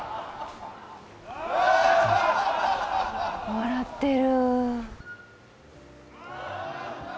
笑ってる。